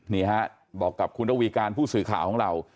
นี่ฮะบอกกับคุณระวีการผู้สื่อข่าวของเรา